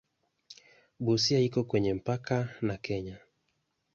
Busia iko kwenye mpaka na Kenya.